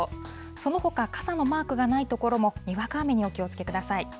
そのほか傘のマークがない所もにわか雨にお気をつけください。